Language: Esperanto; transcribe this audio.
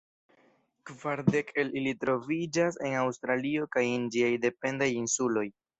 Kvar dek el ili troviĝas en Aŭstralio kaj en ĝiaj dependaj insuloj.